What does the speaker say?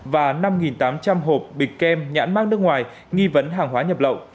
và năm tám trăm linh hộp bịch kem nhãn mát nước ngoài nghi vấn hàng hóa nhập lậu